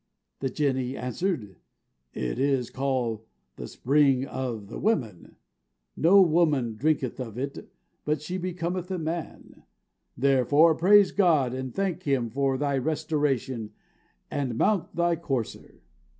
The Jinnee answered, "It is called the Spring of the Women: no woman drinketh of it but she becometh a man; therefore praise God, and thank Him for thy restoration, and mount thy courser."